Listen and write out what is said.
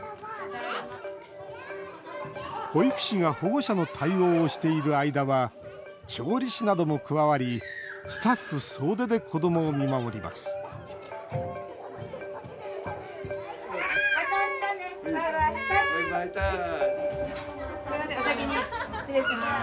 保育士が保護者の対応をしている間は調理師なども加わりスタッフ総出で子どもを見守りますまた、あしたね。